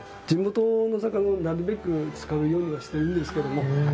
地元の魚をなるべく使うようにはしてるんですけども。